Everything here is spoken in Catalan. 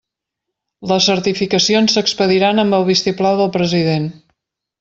Les certificacions s'expediran amb el vistiplau del President.